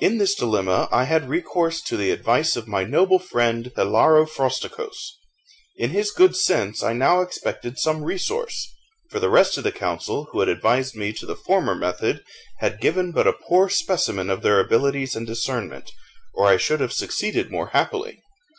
In this dilemma I had recourse to the advice of my noble friend Hilaro Frosticos. In his good sense I now expected some resource, for the rest of the council, who had advised me to the former method, had given but a poor specimen of their abilities and discernment, or I should have succeeded more happily.